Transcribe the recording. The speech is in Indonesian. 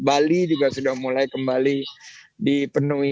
bali juga sudah mulai kembali dipenuhi